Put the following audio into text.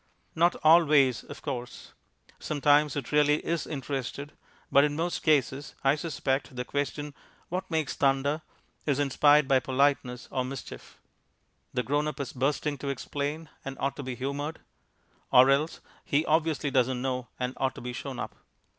Not always, of course; sometimes it really is interested; but in most cases, I suspect, the question, "What makes thunder?" is inspired by politeness or mischief. The grown up is bursting to explain, and ought to be humoured; or else he obviously doesn't know, and ought to be shown up.